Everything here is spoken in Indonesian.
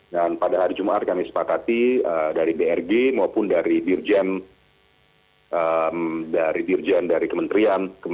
dan pada hari jum'at kami sepakati dari brg maupun dari dirjen dari kementerian